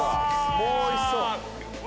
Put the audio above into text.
もうおいしそう！